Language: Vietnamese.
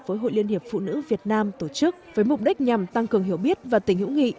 với hội liên hiệp phụ nữ việt nam tổ chức với mục đích nhằm tăng cường hiểu biết và tình hữu nghị